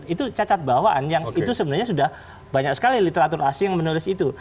itu cacat bawaan yang itu sebenarnya sudah banyak sekali literatur asing yang menulis itu